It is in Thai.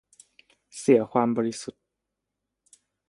เสียความบริสุทธิ์